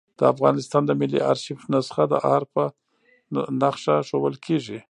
د افغانستان د ملي آرشیف نسخه د آر په نخښه ښوول کېږي.